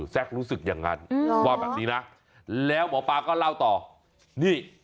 รู้สึกอย่างนั้นว่าแบบนี้นะแล้วหมอปลาก็เล่าต่อนี่